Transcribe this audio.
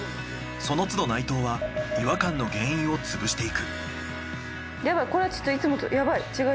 その都度内藤は違和感の原因をつぶしていく。